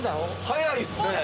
速いっすね。